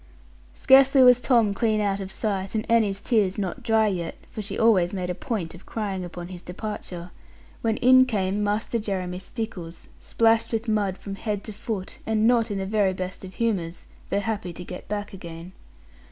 Scarcely was Tom clean out of sight, and Annie's tears not dry yet (for she always made a point of crying upon his departure), when in came Master Jeremy Stickles, splashed with mud from head to foot, and not in the very best of humours, though happy to get back again.